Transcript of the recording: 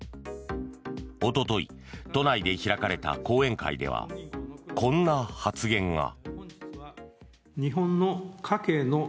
おととい都内で開かれた講演会ではこんな発言が。